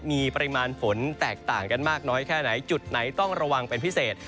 มีปริมาณฝนแตกต่างกันมากน้อยแค่ไหนจุดไหนต้องระวังเป็นพิเศษ